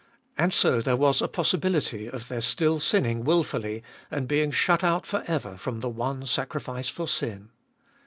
And so there was a possibility of their still sinning wilfully and being shut out for ever from the one sacrifice for sin.